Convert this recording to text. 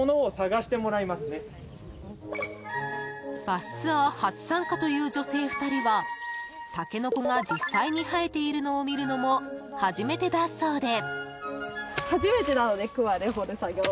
バスツアー初参加という女性２人はタケノコが実際に生えているのを見るのも初めてだそうで。